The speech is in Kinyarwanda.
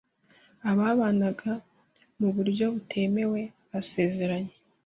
ababanaga mu buryo butemewe basezeranye